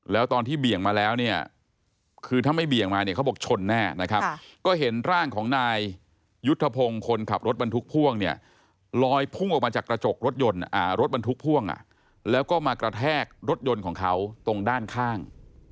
แล้วตอนที่เบี่ยงมาแล้วเนี่ยคือถ้าไม่เบี่ยงมาเนี่ยเขาบอกชนแน่นะครับก็เห็นร่างของนายยุทธพงศ์คนขับรถบรรทุกพ่วงเนี่ยลอยพุ่งออกมาจากกระจกรถยนต์รถบรรทุกพ่วงแล้วก็มากระแทกรถยนต์ของเขาตรงด้านข้าง